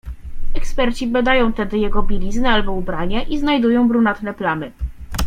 "Eksperci badają tedy jego bieliznę albo ubranie i znajdują brunatne plamy."